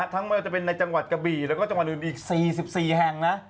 ไม่ว่าจะเป็นในจังหวัดกะบี่แล้วก็จังหวัดอื่นอีก๔๔แห่งนะ